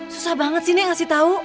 susah banget sih nek ngasih tahu